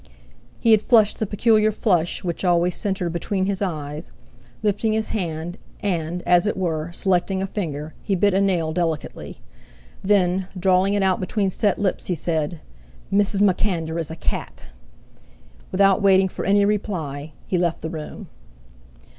He had flushed the peculiar flush which always centred between his eyes; lifting his hand, and, as it were, selecting a finger, he bit a nail delicately; then, drawling it out between set lips, he said: "Mrs. MacAnder is a cat!" Without waiting for any reply, he left the room.